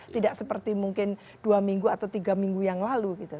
tidak seperti mungkin dua minggu atau tiga minggu yang lalu gitu